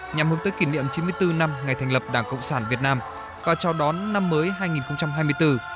nhằm hướng tới kỷ niệm chín mươi bốn năm ngày thành lập đảng cộng sản việt nam và chào đón năm mới hai nghìn hai mươi bốn